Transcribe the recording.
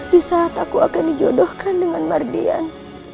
di saat aku akan dijodohkan dengan mardian